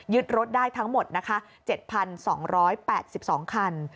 ยึดรถได้ทั้งหมด๗๒๘๒คัน